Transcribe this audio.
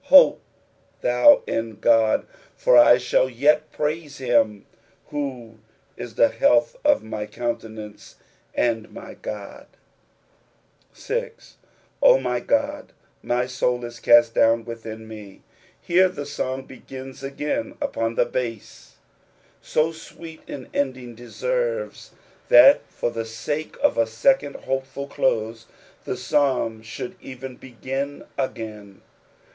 hope thou in God : for I shall yet praise him, who is the health of my countenance, and my God. 6. "0 my Ood,_my loid U cait dovin vtithin me." Here the song be^ns agun upon the bass. Bo sweet an ending deserves that for the sake of a second hopeful close the Psalm should even begin again.